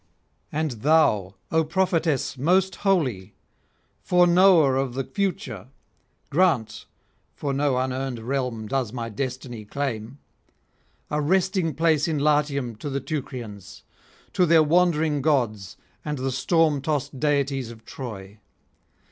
And thou, O prophetess most holy, foreknower of the future, grant (for no unearned realm does my destiny claim) a resting place in Latium to the Teucrians, to their wandering gods and the storm tossed deities of Troy.